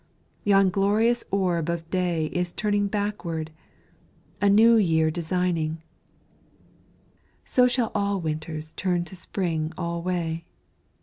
yon glorious orb of day Is turning backward, a New year designing So shall all Winters turn to Spring alway.